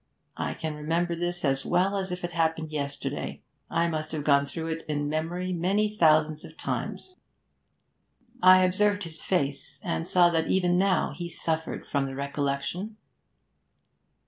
I can remember this as well as if it happened yesterday; I must have gone through it in memory many thousands of times.' I observed his face, and saw that even now he suffered from the recollection.